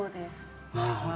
なるほど。